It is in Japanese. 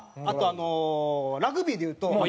あとあのラグビーでいうと。